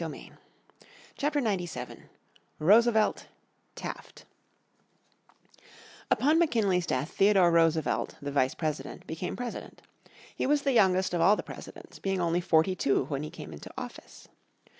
__________ Chapter 97 Roosevelt Taft Upon McKinley's death Theodore Roosevelt, The Vice President, became President. He was the youngest of all the Presidents, being only forty two when he came into office.